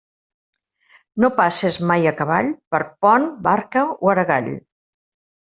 No passes mai a cavall per pont, barca o aragall.